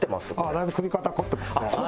だいぶ首肩こってますね。